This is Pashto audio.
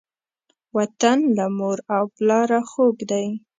وطن له مور او پلاره خوږ دی.